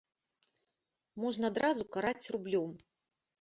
Можна адразу караць рублём.